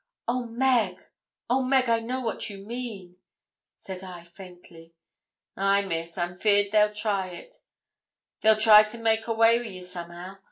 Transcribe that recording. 'Oh, Meg! Oh, Meg! I know what you mean,' said I, faintly. 'Ay, Miss, I'm feared they'll try it; they'll try to make away wi' ye somehow.